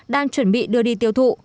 đang chuẩn bị đưa đi tiêu thụ